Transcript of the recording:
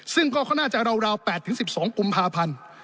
ซึ่งก็น่าจะราว๘๑๒กุมภาพันธ์